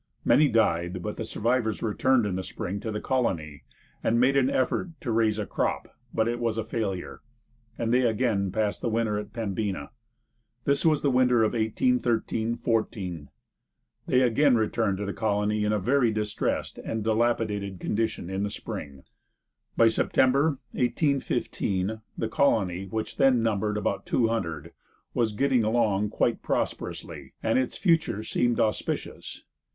Many died, but the survivors returned in the spring to the colony, and made an effort to raise a crop; but it was a failure, and they again passed the winter at Pembina. This was the winter of 1813 14. They again returned to the colony, in a very distressed and dilapidated condition, in the spring. By September, 1815, the colony, which then numbered about two hundred, was getting along quite prosperously, and its future seemed auspicious.